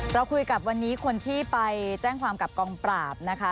เราคุยกับวันนี้คนที่ไปแจ้งความกับกองปราบนะคะ